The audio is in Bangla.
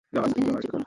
তুমি ইস্ত্রি কোরো।